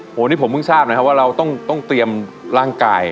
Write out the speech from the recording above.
วันนี้ผมเพิ่งทราบนะครับว่าเราต้องเตรียมร่างกาย